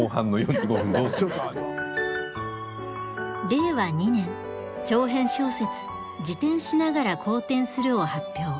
令和２年長編小説「自転しながら公転する」を発表。